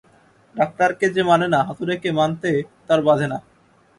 ডাক্তারকে যে মানে না হাতুড়েকে মানতে তার বাধে না।